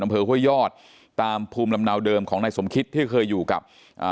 อำเภอห้วยยอดตามภูมิลำเนาเดิมของนายสมคิตที่เคยอยู่กับอ่า